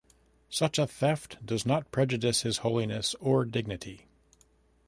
Such a theft does not prejudice his holiness or dignity.